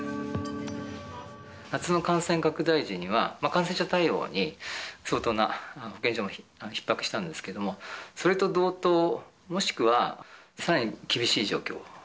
夏の感染拡大時には、感染者対応は相当な、保健所もひっ迫したんですけど、それと同等、もしくはさらに厳しい状況。